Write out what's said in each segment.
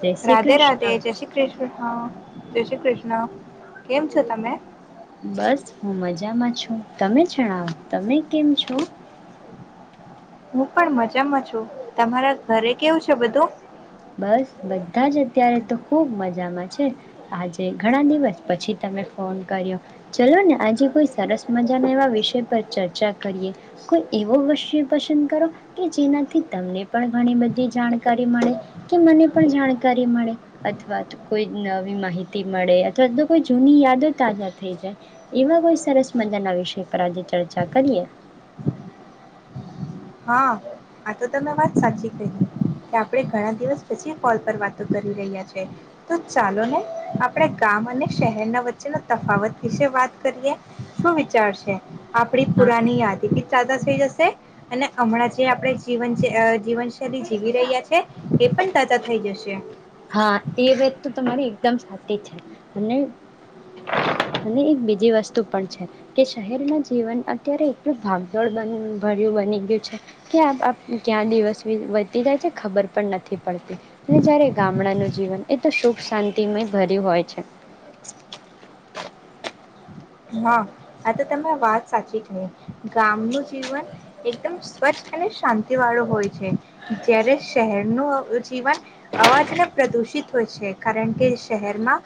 જય શ્રી રાધે, રાધે કૃષ્ણ. જય શ્રી કૃષ્ણ. હા જય શ્રી કૃષ્ણ કેમ છો? તમે. બસ હું મજામાં છું. તમે જણાવો તમે કેમ છો? હું પણ મજામાં છું. તમારા ઘરે કેવું છે બધું? બસ બધા જ અત્યારે તો ખૂબ મજામાં છે. આજે ઘણા દિવસ પછી તમે ફોન કર્યો ચલો ને આજે કોઈ સરસ મજાના એવા વિષય પર ચર્ચા કરીએ કોઈ એવો વિશય પસંદ કરો કે જેનાથી તમને પણ ઘણી બધી જાણકારી મળે. કે મને પણ જાણકારી મળે. અથવા તો કોઈ નવી માહિતી મળે અથવા તો કોઈ જૂની યાદો તાજા થઈ જાય એવા કોઈ સરસ મજા ના વિષય પર આજે ચર્ચા કરીએ. હા આ તો તમે વાત સાચી કહી કે આપણે ઘણા દિવસ પછી કોલ પર વાતો કરી રહ્યા છે. તો ચાલો ને આપણે ગામ અને શહેરના વચ્ચેના તફાવત વિશે વાત કરીએ શું વિચારશે? આપણી હા પુરાની યાદી તાઝા થઈ જશે. અને હમણાં જે આપણે જીવન જે અ જીવનશૈલી જીવી રહ્યા છે એ પણ તાજા થઈ જશે. હા એ વાત તો તમારી એકદમ સાચી છે. અને એક બીજી વસ્તુ પણ છે કે શહેરમાં જીવન અત્યારે એટલું ભાગદોડ બન ભર્યું બની ગયું છે કે આ ક્યાં દિવસ વી વધતી જાય છે ખબર પણ નથી પડતી. અને જયારે ગામડાનું જીવન એ તો સુખ શાંતિમય ભર્યું હોય છે. હા આ તો તમે વાત સાચી કહી, ગામનું જીવન એકદમ સ્વચ્છ અને શાંતિવાળું હોય છે, જ્યારે શહેરનું અ જીવન અવાજને પ્રદુષિત હોય છે. કારણ કે શહેરમાં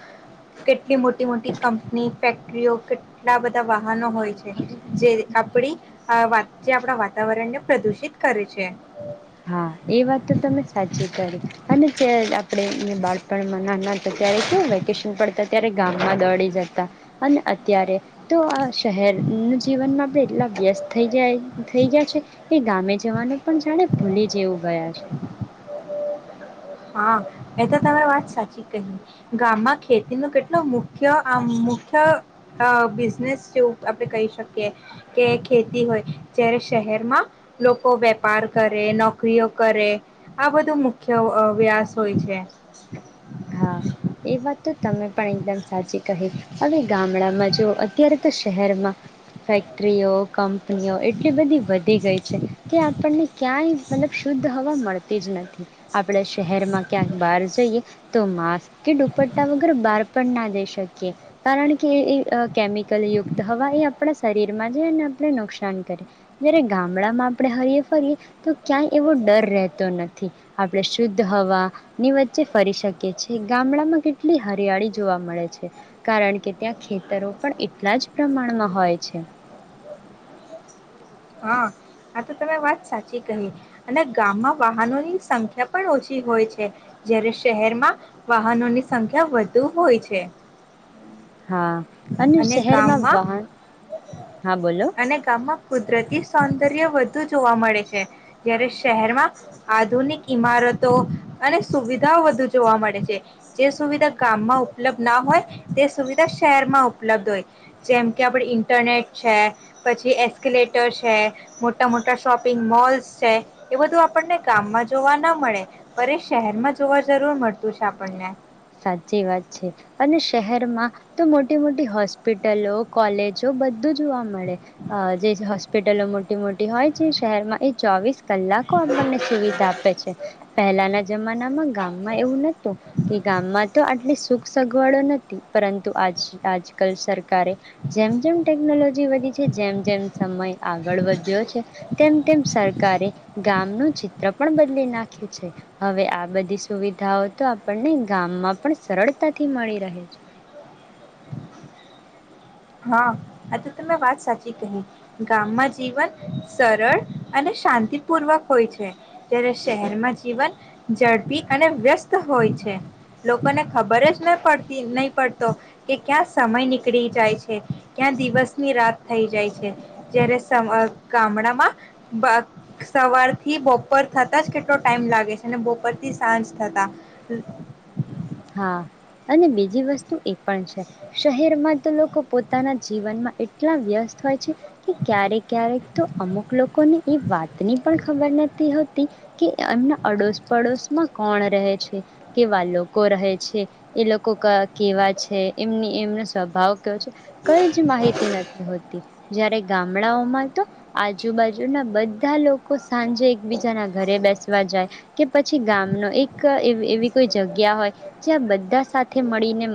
કેટલી મોટી-મોટી કંપની ફેક્ટરીઓ, કેટ એટલા બધા વાહનો હોય છે. જે આપણી અ જે આપણા વાત વાતાવરણને પ્રદુષિત કરે છે. હા, એ વાત તો તમે સાચી. કરી અને ચ આપણે બાળપણમાં નાના ત્યારે કેવું વેકેશન પડતા ત્યારે ગામમાં દોડી જતા અને અત્યારે તો આ શહેરનું જીવનમાં આપણે એટલા વ્યસ્ત થઈ જાય થઈ ગયા છે કે ગામે જવાનું પણ જાણે ભૂલી જેવું ગયા છે. હા એ તો તમે વાત સાચી કહી ગામમાં ખેતીનું કેટલું મુખ્ય આમ મુખ્ય અ બિઝનેસ જેવું આપણે કહી શકીએ કે ખેતી હોય જ્યારે શહેરમાં લોકો વેપાર કરે નોકરીઓ કરે આ બધું મુખ્ય અ અભ્યાસ હોય છે. હા એ વાત તો તમે પણ એકદમ સાચી કહી હવે ગામડામાં જો અત્યારે તો શ શહેરમાં ફેક્ટ્રીઓ કંપનીઓ એટલી બધી વધી ગઈ છે કે આપણને ક્યાંય મતલબ શુદ્ધ હવા મળતી જ નથી આપણે શહેરમાં ક્યાંક બહાર જઈએ તો માસ્ક કે દુપટ્ટા વગર બહાર પણ ના જઈ શકીએ કારણ કે એ-એ અ કેમિકલયુક્ત હવા એ આપણા શરીરમાં જાય ને આપણે નુકસાન કરે જયારે ગામડામાં આપણે હરીયે ફરીએ તો ક્યાંય એવો ડર રહેતો નથી આપણે શુદ્ધ હવાની વચ્ચે ફરી શકીએ. છે ગામડામાં કેટલી હરિયાળી જોવા મળે છે કારણ કે ત્યાં ખેતરો પણ એટલા જ પ્રમાણમાં હોય છે. હા આ તો તમે વાત સાચી કહી અને ગામમાં વાહનોની સંખ્યા પણ ઓછી હોય છે જયારે શહેરમાં વાહનોની સંખ્યા વધુ હોય છે. હા અને શહેરમાં ગામમાં વાહન હા બોલો અને ગામમાં કુદરતી સૌંદર્ય વધુ વધુ જોવા મળે છે જ્યારે શહેરમાં આધુનિક ઈમારતો અને સુવિધાઓ વધુ જોવા મળે છે જે સુવિધા ગામમાં ઉપલબ્ધ ના હોય તે સુવિધા શહેરમાં ઉપલબ્ધ હોય જેમ કે આપડ ઇન્ટરનેટ છે પછી એસ્કલેટર છે મોટા મોટા શોપિંગ મોલ્સ છે એ બધું આપણને ગામમાં જોવા ના મળે અ એ શહેરમાં જોવા જરૂર મળતું છે આપણને સાચી વાત છે અને શહેરમાં તો મોટી મોટી હોસ્પિટલો કોલેજો બધું જોવા મળે જે હોસ્પિટલો મોટી મોટી હોય છે શહેરમાં એ ચોવીસ કલાકો આપણને સુવિધા આપે છે પહેલાના જમાનામાં ગામમાં એવું નતું. આ તો આટલી સુખ સગવડો નથી પરંતુ આજ આજકાલ સરકારે જેમ જેમ ટેકનોલોજી વધી છે જેમ જેમ સમય આગળ વધ્યો છે તેમ તેમ સરકારે ગામનું ચિત્ર પણ બદલી નાખ્યું છે હવે આ બધી સુવિધાઓ તો આપણને ગામમાં પણ સરળતાથી મળી રહે છે. હા આ તો તમે વાત સાચી કહી ગામમાં જીવન સરળ અને શાંતિપૂર્વક હોય છે જ્યારે શહેરમાં જીવન ઝડપી અને વ્યસ્ત હોય છે લોકોને ખબર જ ન પડતી નહી પડતો કે ક્યાં સમય નીકળી જાય છે. ક્યાં દિવસની રાત થઈ જાય છે જારે ગામડામાં સવાર થી બપર થતા જ કેટલો ટાઈમ લાગે છે અને બપોરથી સાંજ થતા હા અને બીજી વસ્તુ એ પણ છે શહેરમાં તો લોકો પોતાના જીવનમાં એટલા વ્યસ્ત હોય છે કે ક્યારેક ક્યારેક તો અમુક લોકોને એ વાતની પણ ખબર નથી હોતી કે એમના અડોશ પડોશ માં કોણ રહે છે કેવા લોકો લોકો રહે છે એ લોકો કેવા છે એમની એમનો સ્વભાવ કઈ જ માહિતી નથી હોતી જ્યારે ગામડાઓમાં તો આજુબાજુના બધા લોકો સાંજે એકબીજા ના ઘરે બેસ વા જાય કે પછી ગામ ન એક એવી કોઈ જગ્યા ગ હોય જ્યાં બધા સાથે મળીને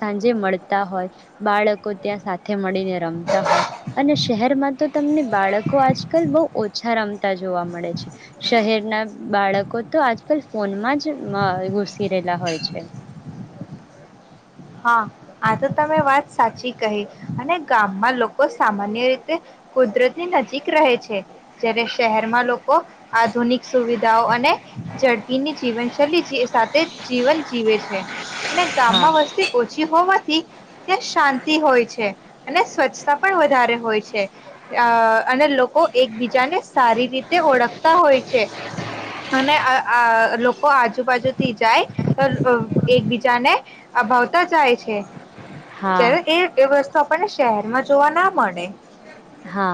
સાંજે મળતા હોય બાળકો ત્યાં સાથે મળીને રમતા હોય અને શહેરમાં તો તમને બાળકો આજકાલ બહુ ઓછા રમતા જોવા મળે છે શહેરના બાળકો તો આજકાલ ફોનમાં જુસે ફિરેલા હોય છે. આ આ તો તમે વાત સાચી કહી અને ગામમાં લોકો સામાન્ય રીતે કુદરતની નજીક રહે છે, જ્યારે શહેરમાં લોકો આધુનિક સુવિધાઓ અને ઝડપીની જીવનશૈલી સાથે જીવન જીવે છે. અને હા ગામમાં વસ્ તી હોવાથી ત્યાં શાંતિ હોય છે, અને સ્વચ્છતા પણ વધારે હોય છે અને લોકો એકબીજાને સારી રીતે ઓળખતા હોય છે અને આ આ લોકો આજુબાજુથી જાય તો એકબીજાને આ ભાવતા જાય છે. હા ચારે એ એ વસ તો આપણને શહેરમાં જોવા ના મળે. હા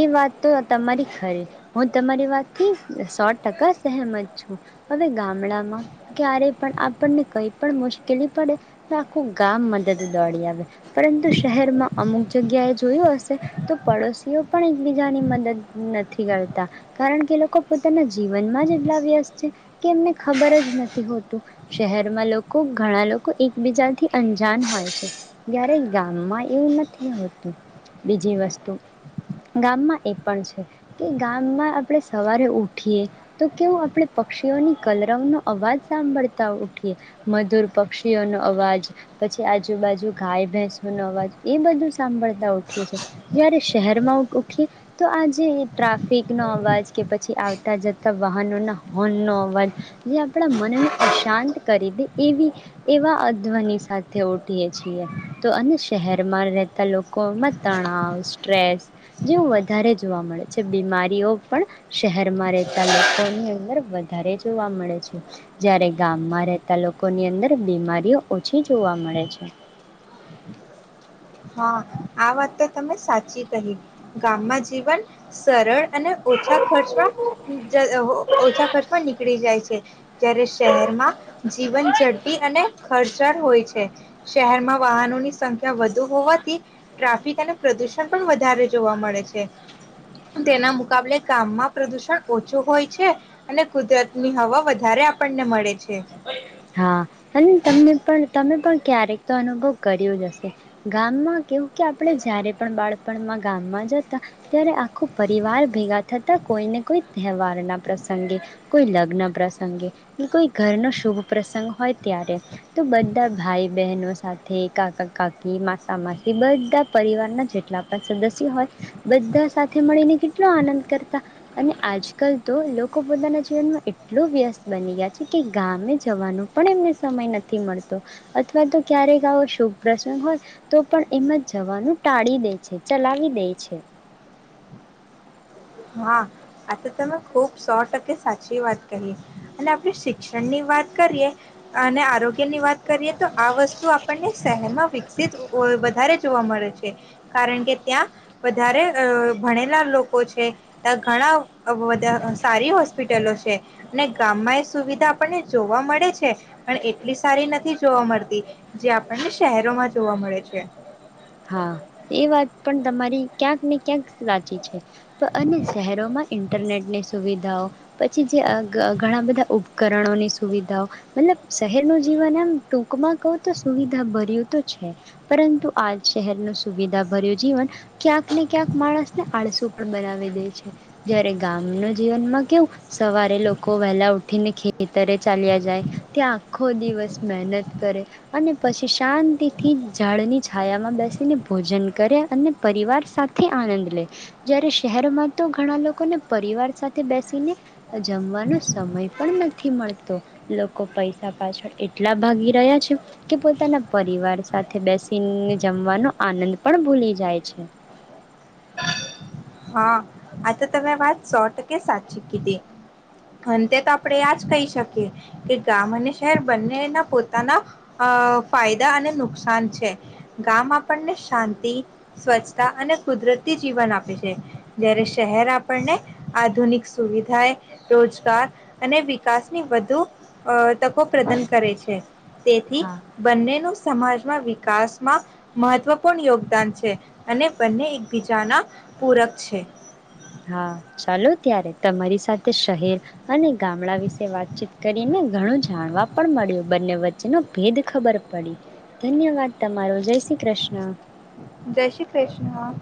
એ વાત તો તમારી ખરી હું તમારી વાત થી સો ટકા સહમત છું. હવે ગામડામાં ક્યારે પણ આપણને કઈ પણ મુશ્કેલી પડે. તો આખું ગામ મદદ દોડી આવે. પરંતુ શહેરમાં અમુક જગ્યાએ જોયું હશે. જે તો પડોશીઓ પણ એકબીજાની મદદ નથી કરતા કારણ કે લોકો પોતાના જીવન. જીવનમાં એટલા વ્યસ્ત છે, કે એમને ખબર જ નથી હોતું. શહેરમાં લોકો ઘણા લોકો એકબીજાથી અંજાન હોય છે. જ્યારે ગામમાં એવું નથી હોતું બીજી વસ્તુ ગામમાં એ પણ છે, કે ગામમાં આપણે સવારે ઉઠીએ તો કેવું આપણે પક્ષીઓની કલર નો અવાજ સાંભળતા ઉઠીએ, મધુર પક્ષીઓનો અવાજ પછી આજુબાજુ ગાય, ભેંસ નો અવાજ એ બધું સાંભળતા ઉઠીએ છે. જ્યારે શહેરમાં ઉઠીએ, તો આજે ટ્રાફિકનો અવાજ કે પછી, આવતા જતા વાહનોના હોર્નનો અવાજ જે આપણા મનને અશાંત કરી દે. એવી એવા અધ્વની સાથે ઉઠીએ છીએ. તો અને શહેરમાં રહેતા લોકોમાં તણાવ સ્ટ્રેસ જેવું વધારે જોવા મળે છે. બીમારીઓ પણ શહેરમાં રહેતા લોકોની અંદર વધારે જોવા મળે છે. જ્યારે ગામમાં રહેતા લોકોની અંદર બીમારીઓ ઓછી જોવા મળે છે. હા આ વાત તો તમે સાચી કહી ગામમાં જીવન સરળ અને ઓછા ખર્ચમાં ઓછા ખર્ચમાં નીકળી જાય છે. જ્યારે શહેરમાં જીવન ઝડપી અને ખર્ચળ હોય છે. શહેરમાં વાહનોની સંખ્યા વધુ હોવાથી ટ્રાફિક અને પ્રદુષણ પણ વધારે જોવા મળે છે. તેના મુકાબલે ગામમાં પ્રદુષણ ઓછું હોય છે. અને કુદરતની હવા વધારે આપણને મળે છે. હા અને તમને પણ તમે પણ ક્યારેક તો અનુભવ કર્યો જ હશે. ગામમાં કેવું કે આપણે જ્યારે પણ બાળપણમાં ગામમાં જતા, ત્યારે આખુ પરિવાર ભેગા થતા, કોઈને કોઈ તહેવારના પ્રસંગે કોઈ લગ્ન પ્રસંગે કે કોઈ ઘરનો શુભ પ્રસંગ હોય, ત્યારે તો બધા ભાઈ, બહેનો સાથે કાકા, કાકી, માસા, માસી બધા પરિવારના જેટલા પણ સદસ્ય હોય, બધા સાથે મળીને કેટલો આનંદ કરતા, અને આજકાલ તો લોકો પોતાના જીવનમાં એટલુ વ્યસ્ત બની ગયા. કે ગામે જવાનો પણ એમને સમય નથી મળતો. અથવા તો ક્યારે આવો શુભ પ્રસંગ હોય. તો પણ એમાં જવાનું ટાળી દે છે. ચલાવી દે છે. હા આ તો તમે ખુબ સો ટકે સાચી વાત કહી. અને આપણે શિક્ષણની વાત કરીએ અને આરોગ્ય ની વાત કરીએ. તો આ વસ્તુ આપણને શહેરમાં વિકસિત વ વધારે જોવા મળે છે, કારણ કે ત્યાં વધારે અ ભણેલા લોકો છે. તક ઘણા વધા સારી હોસ્પિટલો છે, અને ગામમાં એ સુવિધા આપણને જોવા મળે છે, પણ એટલી સારી નથી જોવા મળતી. જે આપણને શહેરોમાં જોવા મળે છે. હા એ વાત પણ તમારી ક્યાંક ને ક્યાંક સાચી છે. અને શહેરોમાં ઇન્ટરનેટની સુવિધાઓ પછી જે અ ઘ ઘણા બધા ઉપ કરણોની સુવિધાઓ મતલબ શહેરનું જીવન એમ ટૂંકમાં કહું તો સુવિધા ભર્યું તો છે પરંતુ આ શહેરનું સુવિધા ભર્યું જીવન ક્યાંક ને ક્યાંક માણસને આળસુ પણ બનાવી દે છે. જયારે ગામના જીવનમાં કેવું સવારે લોકો વહેલા ઉઠીને ખેતરે ચાલ્યા જાય, ત્યાં આખો દિવસ મહેનત કરે અને પછી, શાંતિથી ઝાડની છાયામા મા બેસીને ભોજન કરે, અને પરિવાર સાથે આનંદ લે જયારે, શહેરમાં તો ઘણા લોકોને પરિવાર સાથે બેસીને જમવાનો સમય પણ નથી મળતો. લોકો પૈસા પાછળ એટલા ભાગી રહ્યા છે, કે પોતાના પરિવાર સાથે બેસીને જમવાનો આનંદ પણ ભૂલી જાય છે. હા આ તો તમે વાત સો ટકે સાચી કીધી. અંતે તો આપણે યાજ કહી શકીએ, કે ગામ અને શહેર બંનેના પોતાનાઅ ફાયદા અને નુકસાન છે. ગામ આપણને શાંતિ સ્વચ્છતા અને કુદરતી જીવન આપે છે. જયારે શહેર આપણને આધુનિક સુવિધાએ રોજગાર અને વિકાસ ની વધુ અ તકો પ્રદાન કરે છે. તેથી હા બંનેનું સમાજમાં વિકાસમાં મહત્વપૂર્ણ યોગદાન છે, અને બંને એકબીજાના પૂરક છે. હા ચાલો ત્યારે તમારી સાથે શહેર અને ગામડા વિશે વાતચીત કરીને ઘણું જાણવા પણ મળ્યુ. બંને વચ્ચેનો ભેદ ખબર પડી. ધન્યવાદ તમારો જય શ્રી કૃષ્ણ. જય શ્રી કૃષ્ણ.